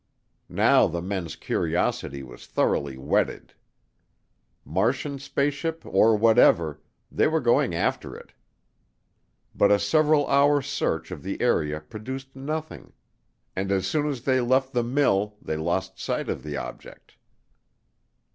Now the men's curiosity was thoroughly whetted. Martian spaceship or whatever, they were going after it. But a several hour search of the area produced nothing. And, as soon as they left the mill they lost sight of the object.